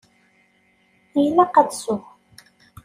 Ilaq ad d-ssuɣ.